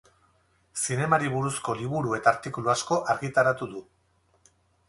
Zinemari buruzko liburu eta artikulu asko argitaratu du.